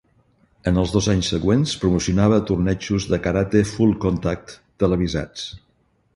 En els dos anys següents, promocionava tornejos de karate "full-contact" televisats.